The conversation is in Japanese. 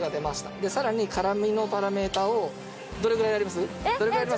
でさらに辛みのパラメーターをどれぐらいやります？